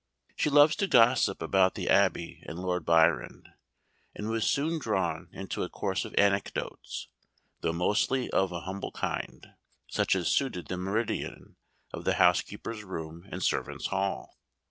She loves to gossip about the Abbey and Lord Byron, and was soon drawn into a course of anecdotes, though mostly of an humble kind, such as suited the meridian of the housekeeper's room and servants' hall.